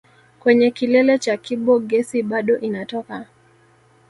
Kwenye kilele cha Kibo gesi bado inatoka